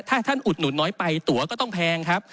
ถ้าท่านอุดหนุนน้อยไปตัวก็ต้องแพงครับ